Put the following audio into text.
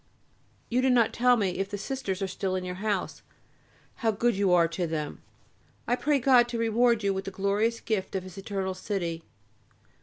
You do not tell me if the Sisters are still in your house. How good you are to them! I pray God to reward you with the glorious gift of His eternal City.